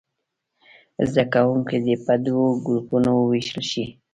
زده کوونکي دې په دوو ګروپونو ووېشل شي.